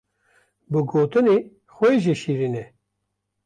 bi gotinê xwe jî şêrîn e.